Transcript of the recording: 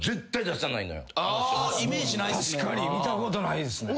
あイメージないっすね。